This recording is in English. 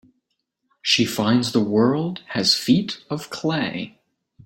She finds the world has feet of clay.